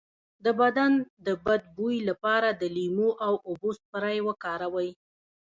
د بدن د بد بوی لپاره د لیمو او اوبو سپری وکاروئ